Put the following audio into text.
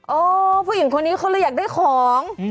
ผู้หญิงคนนี้เขาเลยอยากได้ของ